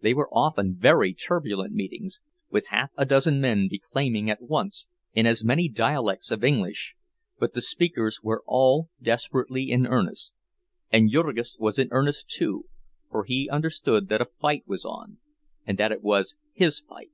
They were often very turbulent meetings, with half a dozen men declaiming at once, in as many dialects of English; but the speakers were all desperately in earnest, and Jurgis was in earnest too, for he understood that a fight was on, and that it was his fight.